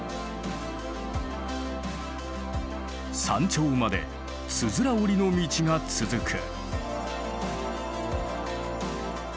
山頂までつづら折りの道が続く。